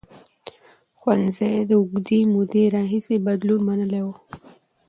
ښوونځي د اوږدې مودې راهیسې بدلون منلی و.